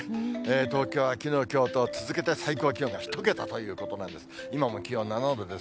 東京はきのう、きょうと続けて最高気温が１桁ということなんです。